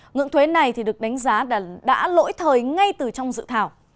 ngưỡng thuế này được đánh giá là đã lỗi thời ngay từ trong dự thảo